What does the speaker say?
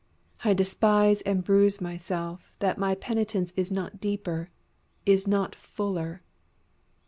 I despise and bruise myself that my penitence is not deeper, is not fuller.